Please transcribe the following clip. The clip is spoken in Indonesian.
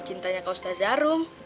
cintanya kausta zarung